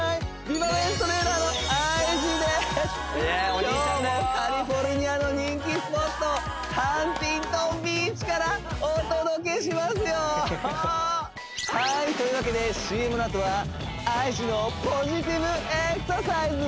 今日もカリフォルニアの人気スポットハンティントンビーチからお届けしますよはーいというわけでＣＭのあとはＩＧのポジティブエクササイズ